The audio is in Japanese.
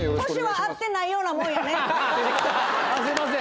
あっすいません。